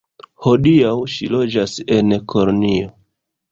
Hodiaŭ ŝi loĝas en Kolonjo.